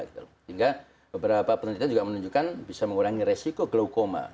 sehingga beberapa penelitian juga menunjukkan bisa mengurangi resiko glokoma